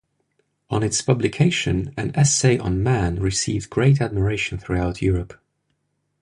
On its publication, "An Essay on Man" received great admiration throughout Europe.